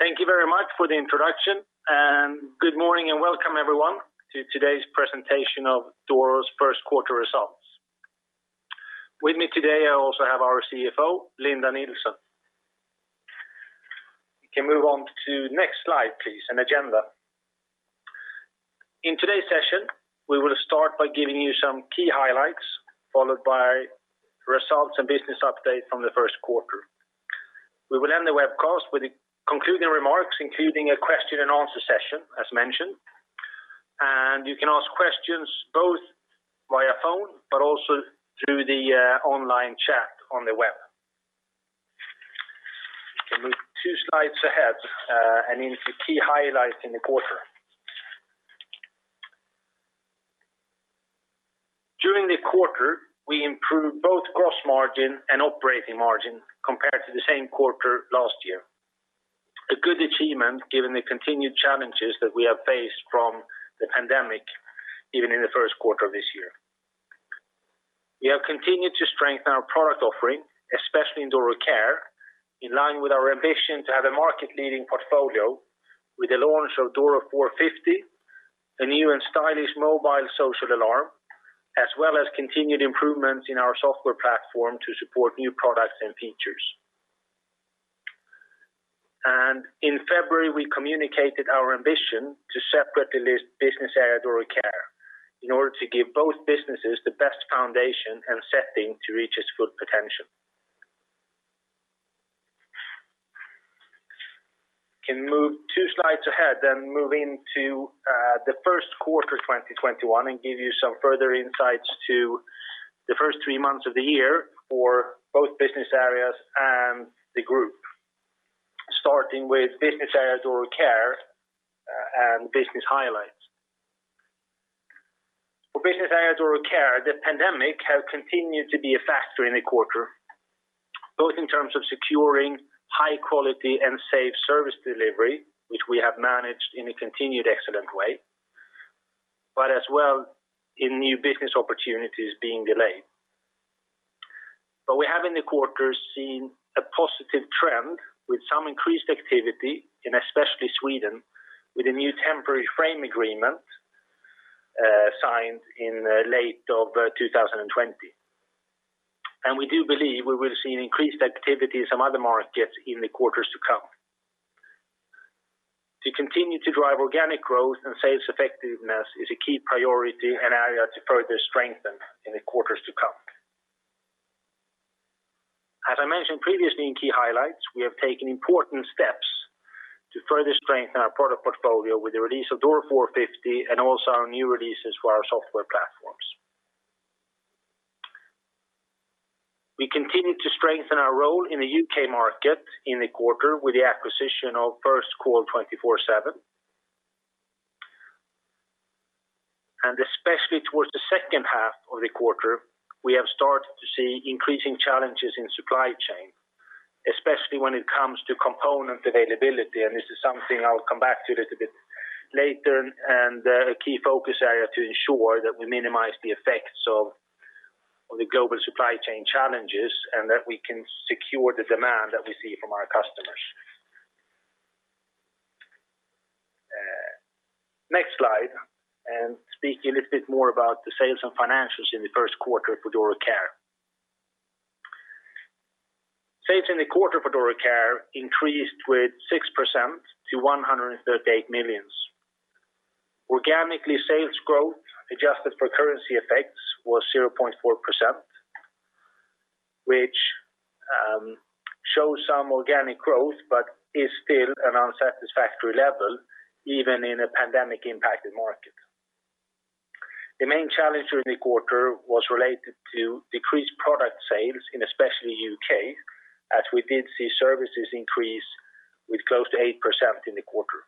Thank you very much for the introduction, good morning and welcome everyone to today's presentation of Doro's first quarter results. With me today, I also have our CFO, Linda Nilsson. We can move on to next slide, please. An agenda. In today's session, we will start by giving you some key highlights, followed by results and business update from the first quarter. We will end the webcast with concluding remarks, including a question and answer session as mentioned. You can ask questions both via phone, but also through the online chat on the web. You can move two slides ahead and into key highlights in the quarter. During the quarter, we improved both gross margin and operating margin compared to the same quarter last year. A good achievement given the continued challenges that we have faced from the pandemic, even in the first quarter of this year. We have continued to strengthen our product offering, especially in Doro Care, in line with our ambition to have a market-leading portfolio with the launch of Doro 450, the new and stylish mobile social alarm, as well as continued improvements in our software platform to support new products and features. In February, we communicated our ambition to separately list business area Doro Care in order to give both businesses the best foundation and setting to reach its full potential. Can move two slides ahead and move into the first quarter 2021 and give you some further insights to the first three months of the year for both business areas and the group. Starting with business area Doro Care and business highlights. For business area Doro Care, the pandemic has continued to be a factor in the quarter, both in terms of securing high quality and safe service delivery, which we have managed in a continued excellent way, but as well in new business opportunities being delayed. We have in the quarter seen a positive trend with some increased activity in especially Sweden with a new temporary frame agreement signed in late of 2020. We do believe we will see an increased activity in some other markets in the quarters to come. To continue to drive organic growth and sales effectiveness is a key priority and area to further strengthen in the quarters to come. As I mentioned previously in key highlights, we have taken important steps to further strengthen our product portfolio with the release of Doro 450 and also our new releases for our software platforms. We continued to strengthen our role in the U.K. market in the quarter with the acquisition of Firstcall 247. Especially towards the second half of the quarter, we have started to see increasing challenges in supply chain, especially when it comes to component availability, and this is something I will come back to a little bit later, and a key focus area to ensure that we minimize the effects of the global supply chain challenges and that we can secure the demand that we see from our customers. Next slide. Speaking a little bit more about the sales and financials in the first quarter for Doro Care. Sales in the quarter for Doro Care increased with 6% to 138 million. Organically sales growth adjusted for currency effects was 0.4%, which shows some organic growth but is still an unsatisfactory level even in a pandemic-impacted market. The main challenge during the quarter was related to decreased product sales in especially U.K., as we did see services increase with close to 8% in the quarter.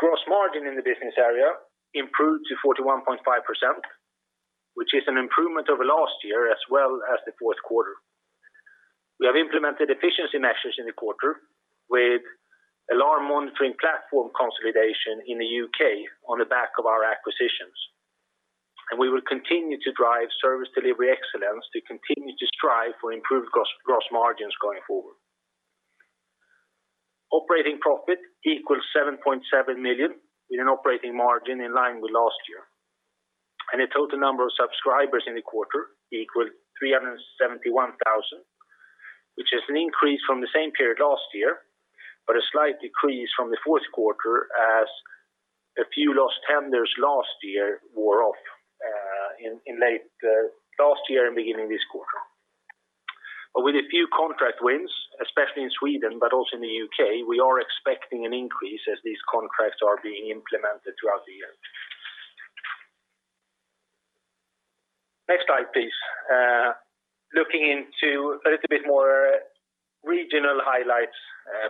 Gross margin in the business area improved to 41.5%, which is an improvement over last year as well as the fourth quarter. We have implemented efficiency measures in the quarter with alarm monitoring platform consolidation in the U.K. on the back of our acquisitions. We will continue to drive service delivery excellence to continue to strive for improved gross margins going forward. Operating profit equals 7.7 million, with an operating margin in line with last year. The total number of subscribers in the quarter equaled 371,000, which is an increase from the same period last year, but a slight decrease from the fourth quarter as a few lost tenders last year wore off in late last year and beginning this quarter. With a few contract wins, especially in Sweden, but also in the U.K., we are expecting an increase as these contracts are being implemented throughout the year. Next slide, please. Looking into a little bit more regional highlights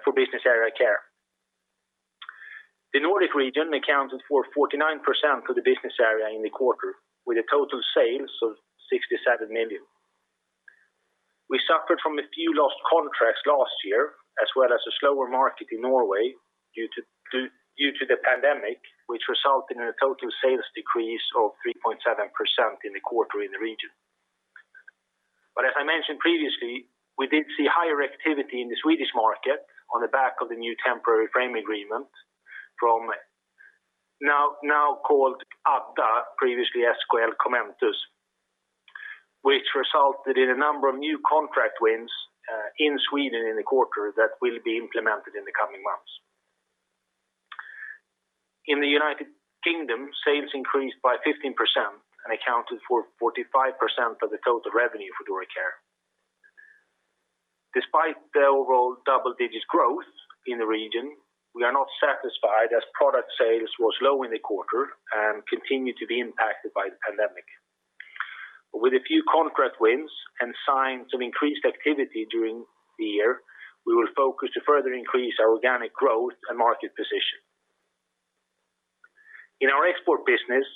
for business area care. The Nordic region accounted for 49% of the business area in the quarter, with a total sales of 67 million. We suffered from a few lost contracts last year, as well as a slower market in Norway due to the pandemic, which resulted in a total sales decrease of 3.7% in the quarter in the region. As I mentioned previously, we did see higher activity in the Swedish market on the back of the new temporary frame agreement from now called Adda, previously SKL Kommentus, which resulted in a number of new contract wins in Sweden in the quarter that will be implemented in the coming months. In the United Kingdom, sales increased by 15% and accounted for 45% of the total revenue for Doro Care. Despite the overall double-digit growth in the region, we are not satisfied as product sales were slow in the quarter and continue to be impacted by the pandemic. With a few contract wins and signs of increased activity during the year, we will focus to further increase our organic growth and market position. In our export business,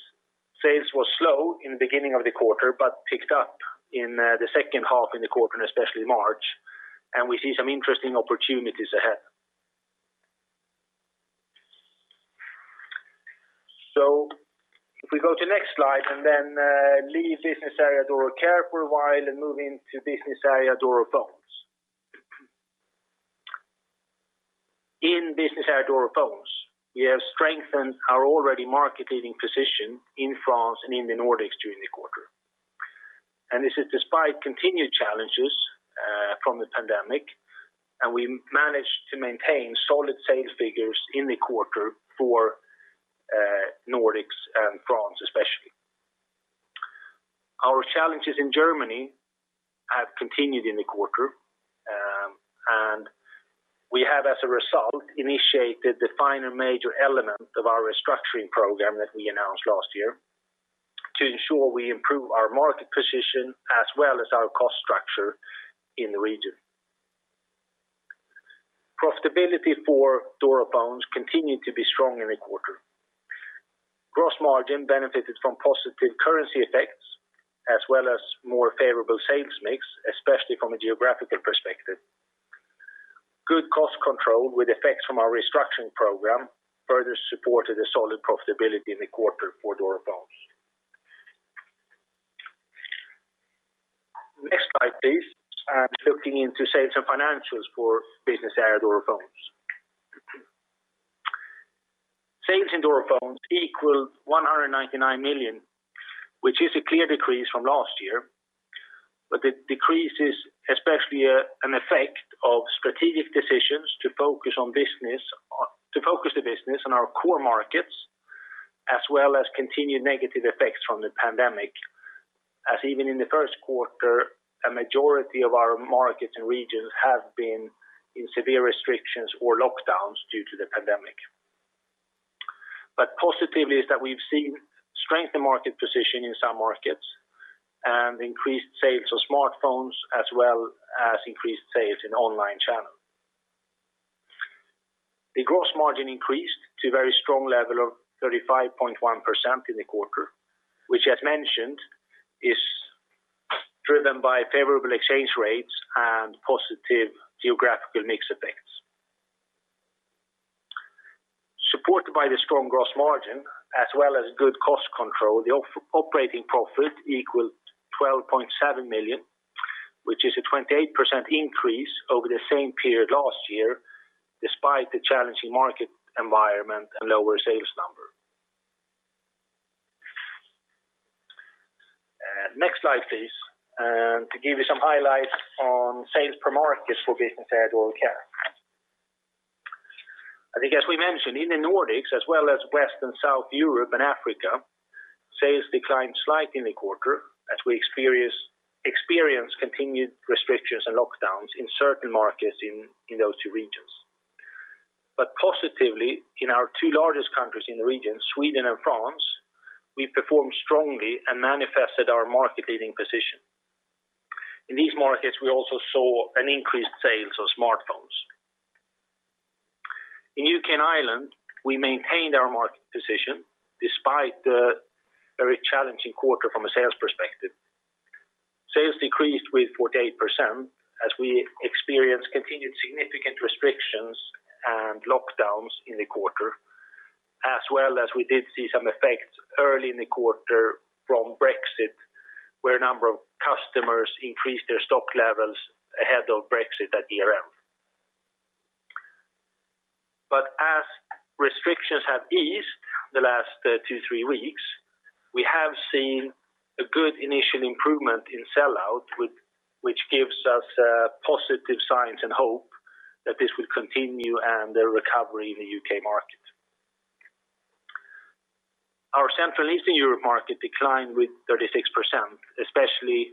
sales were slow in the beginning of the quarter, picked up in the second half in the quarter and especially March, we see some interesting opportunities ahead. If we go to next slide, leave business area Doro Care for a while and move into business area Doro Phones. In business area Doro Phones, we have strengthened our already market-leading position in France and in the Nordics during the quarter. This is despite continued challenges from the pandemic, we managed to maintain solid sales figures in the quarter for Nordics and France, especially. Our challenges in Germany have continued in the quarter, and we have, as a result, initiated the final major element of our restructuring program that we announced last year to ensure we improve our market position as well as our cost structure in the region. Profitability for Doro Phones continued to be strong in the quarter. Gross margin benefited from positive currency effects as well as more favorable sales mix, especially from a geographical perspective. Good cost control with effects from our restructuring program further supported a solid profitability in the quarter for Doro Phones. Next slide, please. Looking into sales and financials for business area Doro Phones. Sales in Doro Phones equal 199 million, which is a clear decrease from last year. The decrease is especially an effect of strategic decisions to focus the business on our core markets, as well as continued negative effects from the pandemic, as even in the first quarter, a majority of our markets and regions have been in severe restrictions or lockdowns due to the pandemic. Positively is that we've seen strength in market position in some markets and increased sales of smartphones as well as increased sales in online channel. The gross margin increased to a very strong level of 35.1% in the quarter, which as mentioned, is driven by favorable exchange rates and positive geographical mix effects. Supported by the strong gross margin as well as good cost control, the operating profit equals 12.7 million, which is a 28% increase over the same period last year, despite the challenging market environment and lower sales number. Next slide, please. To give you some highlights on sales per market for business area Doro Care. I think as we mentioned, in the Nordics, as well as West and South Europe and Africa, sales declined slightly in the quarter as we experienced continued restrictions and lockdowns in certain markets in those two regions. Positively, in our two largest countries in the region, Sweden and France, we performed strongly and manifested our market-leading position. In these markets, we also saw an increased sales of smartphones. In U.K. and Ireland, we maintained our market position despite the very challenging quarter from a sales perspective. Sales decreased with 48% as we experienced continued significant restrictions and lockdowns in the quarter, as well as we did see some effects early in the quarter from Brexit, where a number of customers increased their stock levels ahead of Brexit at year-end. As restrictions have eased the last two, three weeks, we have seen a good initial improvement in sell-out, which gives us positive signs and hope that this will continue and the recovery in the U.K. market. Our Central Eastern Europe market declined with 36%, especially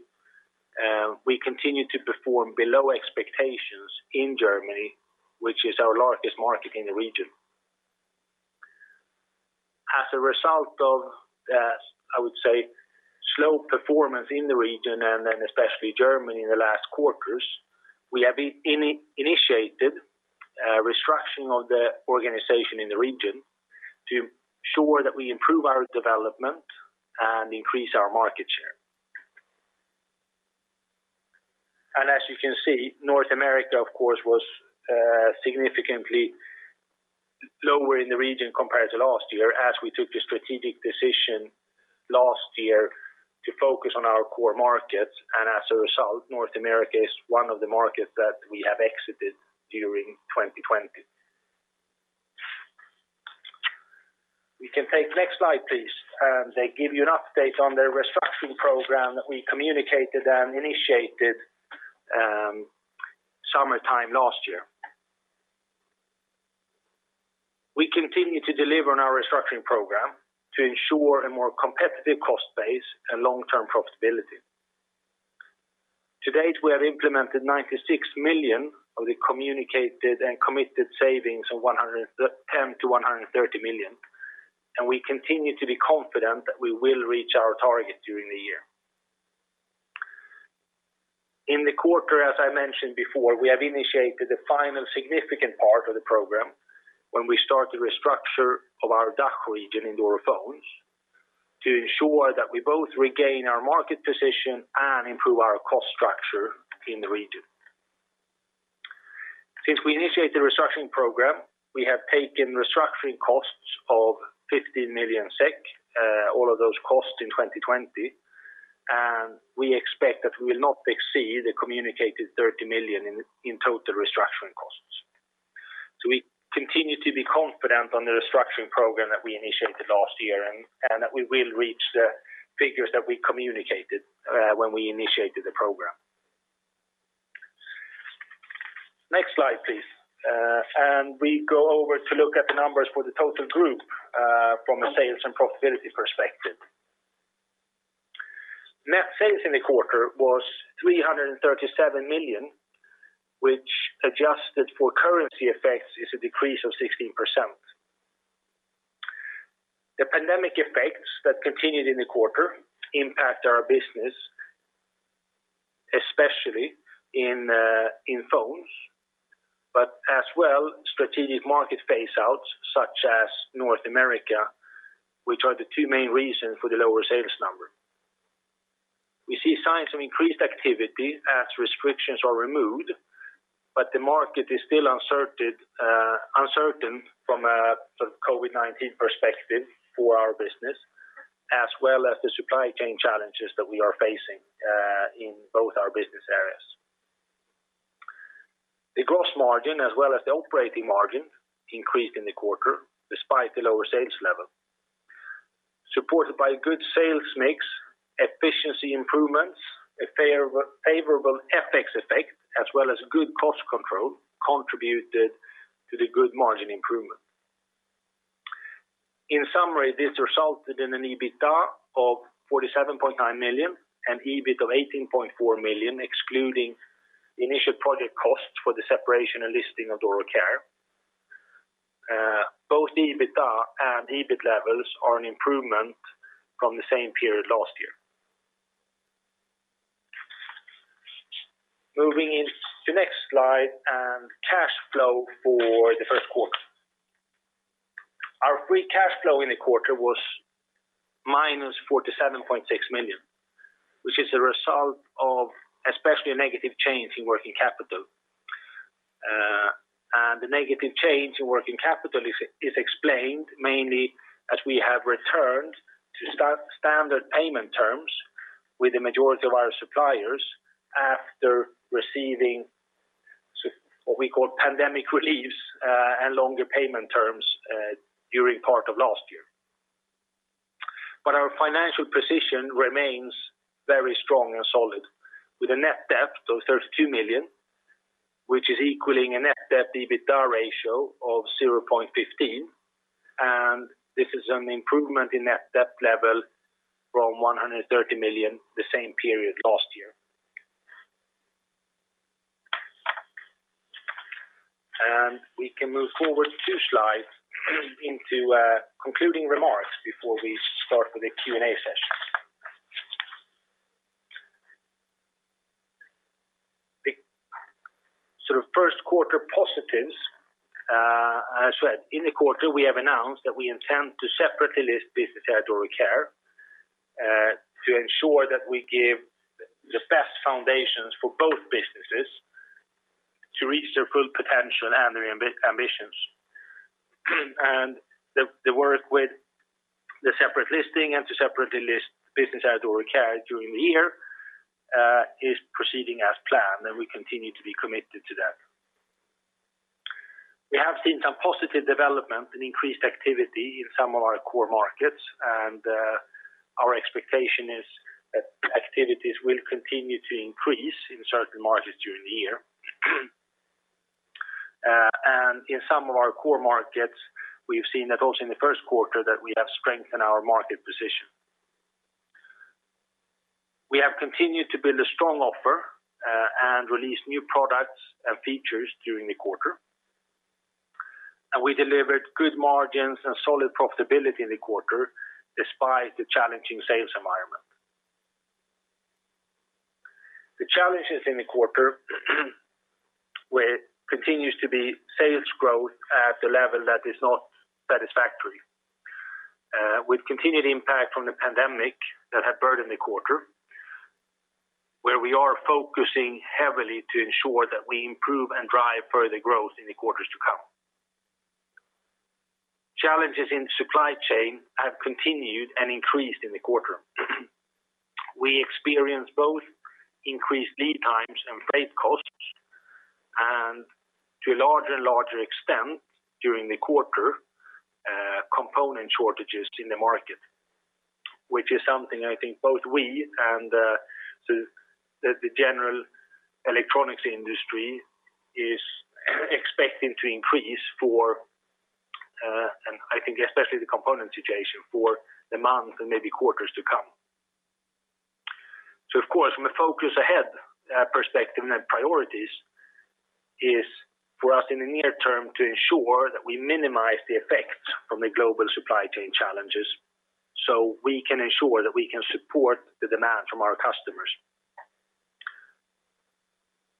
we continue to perform below expectations in Germany, which is our largest market in the region. As a result of the, I would say, slow performance in the region and then especially Germany in the last quarters, we have initiated restructuring of the organization in the region to ensure that we improve our development and increase our market share. As you can see, North America, of course, was significantly lower in the region compared to last year as we took the strategic decision last year to focus on our core markets, and as a result, North America is one of the markets that we have exited during 2020. We can take the next slide, please. They give you an update on the restructuring program that we communicated and initiated summertime last year. We continue to deliver on our restructuring program to ensure a more competitive cost base and long-term profitability. To date, we have implemented 96 million of the communicated and committed savings of 110 million-130 million. We continue to be confident that we will reach our target during the year. In the quarter, as I mentioned before, we have initiated the final significant part of the program when we start the restructure of our DACH region in Doro Phones to ensure that we both regain our market position and improve our cost structure in the region. Since we initiate the restructuring program, we have taken restructuring costs of 15 million SEK, all of those costs in 2020. We expect that we will not exceed the communicated 30 million in total restructuring costs. We continue to be confident on the restructuring program that we initiated last year, and that we will reach the figures that we communicated when we initiated the program. Next slide, please. We go over to look at the numbers for the total group from a sales and profitability perspective. Net sales in the quarter was 337 million, which adjusted for currency effects is a decrease of 16%. The pandemic effects that continued in the quarter impact our business, especially in phones, but as well strategic market phase outs such as North America, which are the two main reasons for the lower sales number. We see signs of increased activity as restrictions are removed, but the market is still uncertain from a COVID-19 perspective for our business, as well as the supply chain challenges that we are facing in both our business areas. The gross margin as well as the operating margin increased in the quarter despite the lower sales level. Supported by good sales mix, efficiency improvements, a favorable FX effect, as well as good cost control contributed to the good margin improvement. In summary, this resulted in an EBITDA of 47.9 million and EBIT of 18.4 million, excluding the initial project costs for the separation and listing of Doro Care. Both the EBITDA and EBIT levels are an improvement from the same period last year. Moving into the next slide, and cash flow for the first quarter. Our free cash flow in the quarter was –47.6 million, which is a result of especially a negative change in working capital. The negative change in working capital is explained mainly as we have returned to standard payment terms with the majority of our suppliers after receiving what we call pandemic reliefs, and longer payment terms, during part of last year. Our financial position remains very strong and solid, with a net debt of 32 million, which is equaling a net debt to EBITDA ratio of 0.15. This is an improvement in net debt level from 130 million the same period last year. We can move forward two slides into concluding remarks before we start with the Q&A session. The first quarter positives. In the quarter, we have announced that we intend to separately list business area Doro Care, to ensure that we give the best foundations for both businesses to reach their full potential and their ambitions. The work with the separate listing and to separately list the business area Doro Care during the year is proceeding as planned, and we continue to be committed to that. We have seen some positive development and increased activity in some of our core markets, and our expectation is that activities will continue to increase in certain markets during the year. In some of our core markets, we have seen that also in the first quarter that we have strengthened our market position. We have continued to build a strong offer and released new products and features during the quarter. We delivered good margins and solid profitability in the quarter despite the challenging sales environment. The challenges in the quarter continues to be sales growth at the level that is not satisfactory. With continued impact from the pandemic that had burdened the quarter. Where we are focusing heavily to ensure that we improve and drive further growth in the quarters to come. Challenges in the supply chain have continued and increased in the quarter. We experienced both increased lead times and freight costs, and to a larger and larger extent during the quarter, component shortages in the market. Which is something I think both we and the general electronics industry is expecting to increase for, and I think especially the component situation, for the months and maybe quarters to come. Of course, from a focus ahead perspective and priorities is for us in the near term to ensure that we minimize the effects from the global supply chain challenges so we can ensure that we can support the demand from our customers.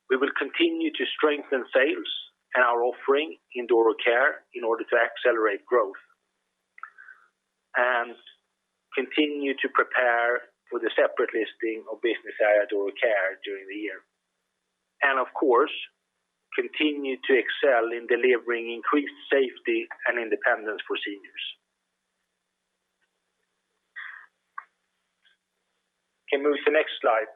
We will continue to strengthen sales and our offering in Doro Care in order to accelerate growth. Continue to prepare for the separate listing of business area Doro Care during the year. Of course, continue to excel in delivering increased safety and independence for seniors. Can move to the next slide.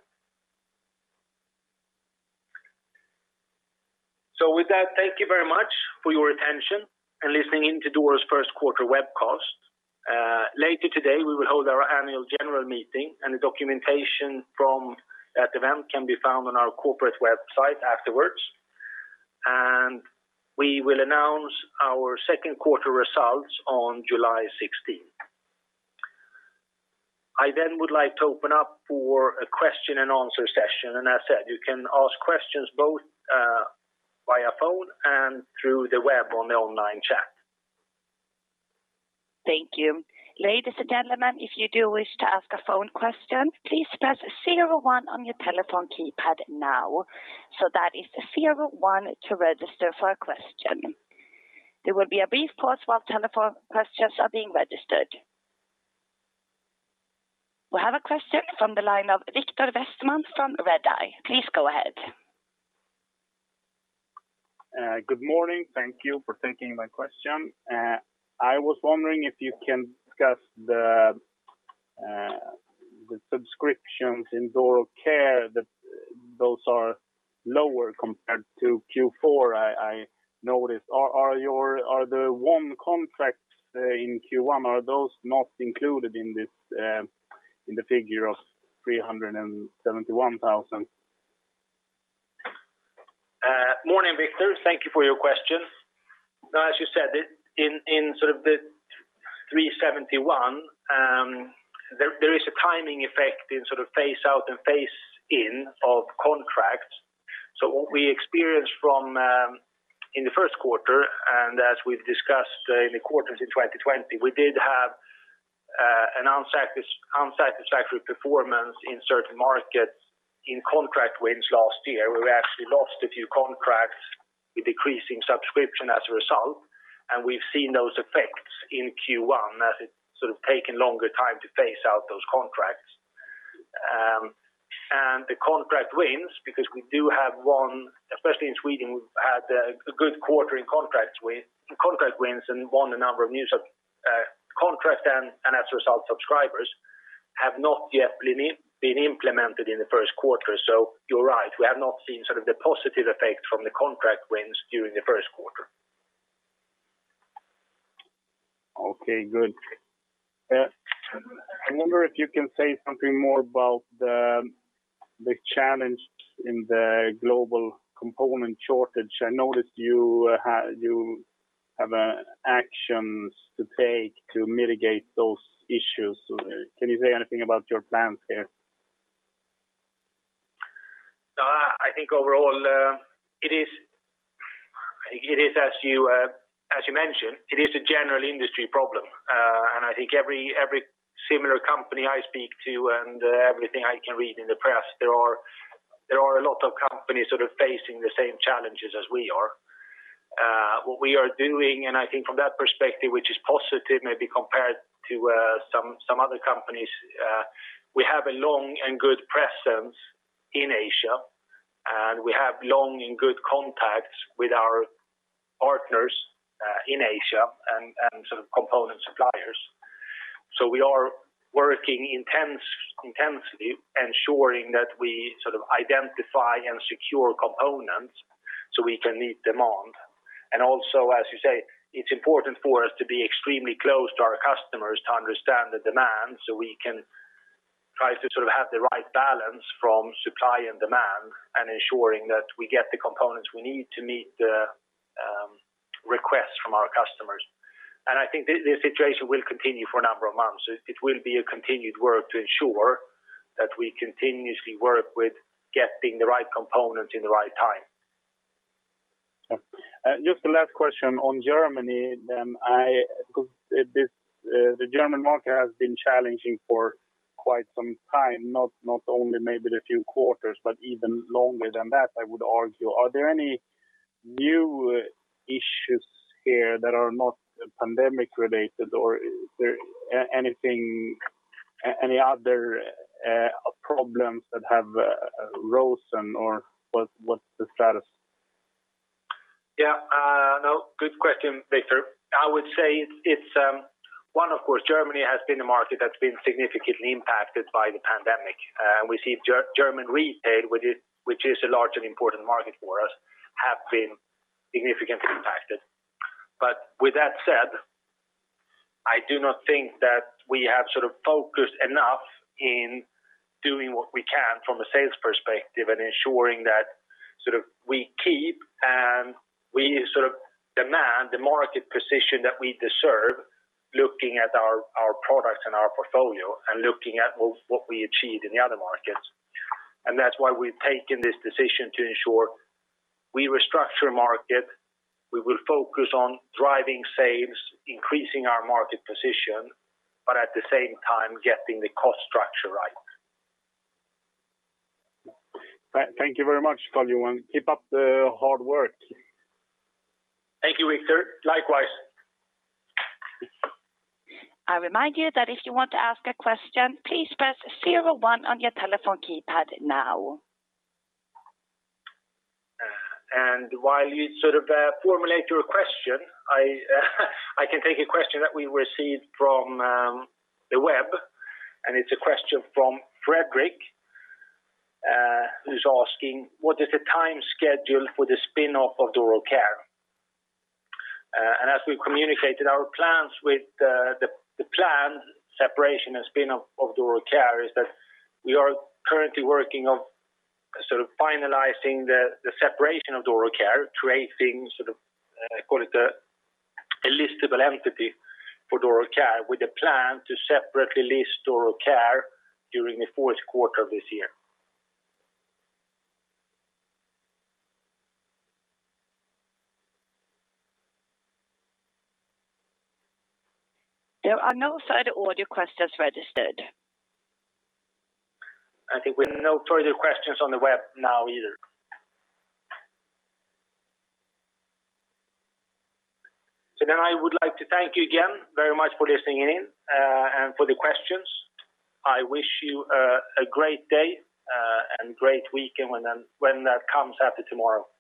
With that, thank you very much for your attention and listening in to Doro's first quarter webcast. Later today, we will hold our annual general meeting, and the documentation from that event can be found on our corporate website afterwards. We will announce our second quarter results on July 16th. I then would like to open up for a question and answer session, and as said, you can ask questions both via phone and through the web on the online chat. Thank you. Ladies and gentlemen, if you do wish to ask a phone question, please press zero one on your telephone keypad now. That is zero one to register for a question. There will be a brief pause while telephone questions are being registered. We have a question from the line of Viktor Westman from Redeye. Please go ahead. Good morning. Thank you for taking my question. I was wondering if you can discuss the subscriptions in Doro Care, those are lower compared to Q4, I noticed. Are the one contracts in Q1, are those not included in the figure of 371,000? Morning, Viktor. Thank you for your question. As you said it, in sort of the 371,000, there is a timing effect in sort of phase out and phase in of contracts. What we experienced in the first quarter, and as we've discussed in the quarters in 2020, we did have an unsatisfactory performance in certain markets in contract wins last year, where we actually lost a few contracts, with decreasing subscription as a result. We've seen those effects in Q1 as it's sort of taken longer time to phase out those contracts. The contract wins, because we do have one, especially in Sweden, we've had a good quarter in contract wins and won a number of new contracts, and as a result, subscribers have not yet been implemented in the first quarter. You're right, we have not seen sort of the positive effect from the contract wins during the first quarter. Okay, good. I wonder if you can say something more about the challenge in the global component shortage. I noticed you have actions to take to mitigate those issues. Can you say anything about your plans here? I think overall it is as you mentioned, it is a general industry problem. I think every similar company I speak to and everything I can read in the press, there are a lot of companies sort of facing the same challenges as we are. What we are doing, and I think from that perspective, which is positive maybe compared to some other companies, we have a long and good presence in Asia, and we have long and good contacts with our partners in Asia and sort of component suppliers. We are working intensely ensuring that we sort of identify and secure components so we can meet demand. Also, as you say, it's important for us to be extremely close to our customers to understand the demand so we can try to sort of have the right balance from supply and demand, and ensuring that we get the components we need to meet the requests from our customers. I think the situation will continue for a number of months. It will be a continued work to ensure that we continuously work with getting the right component in the right time. Okay. Just a last question on Germany, because the German market has been challenging for quite some time. Not only maybe the few quarters, but even longer than that, I would argue. Are there any new issues here that are not pandemic related, or are there any other problems that have risen, or what's the status? Yeah. No, good question, Viktor. I would say it's one, of course, Germany has been a market that's been significantly impacted by the pandemic. We see German retail, which is a large and important market for us, have been significantly impacted. With that said, I do not think that we have focused enough in doing what we can from a sales perspective and ensuring that we keep and we demand the market position that we deserve, looking at our products and our portfolio and looking at what we achieved in the other markets. That's why we've taken this decision to ensure we restructure market. We will focus on driving sales, increasing our market position, but at the same time getting the cost structure right. Thank you very much, Carl. You want to keep up the hard work. Thank you, Viktor. Likewise. I remind you that if you want to ask a question, please press zero, one on your telephone keypad now. While you formulate your question, I can take a question that we received from the web, and it's a question from Frederick, who's asking, "What is the time schedule for the spin-off of Doro Care?" As we communicated our plans with the planned separation and spin-off of Doro Care, is that we are currently working on finalizing the separation of Doro Care, creating the, call it the listable entity for Doro Care with a plan to separately list Doro Care during the fourth quarter of this year. There are no further audio questions registered. I think we've no further questions on the web now either. I would like to thank you again very much for listening in and for the questions. I wish you a great day and great weekend when that comes after tomorrow.